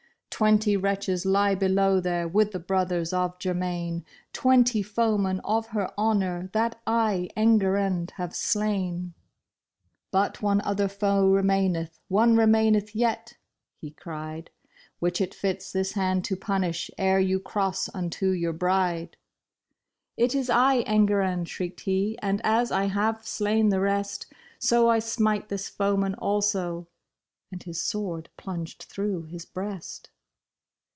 Twenty wretches lie below there with the brothers of Germain, Twenty foemen of her honor that I, Enguerrand, have slain. *' But one other foe remaineth, one remaineth yet," he cried, " Which it fits this hand to punish ere you cross unto your bride. It is 1, Enguerrand !" shrieked he ;" and as I have slain the rest. So I smite this foeman also !"— and his sword plunged through his breast.